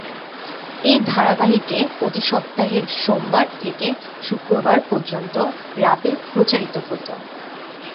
এই ধারাবাহিকে প্রতি সপ্তাহের সোমবার থেকে শুক্রবার পর্যন্ত রাতে প্রচারিত হতো।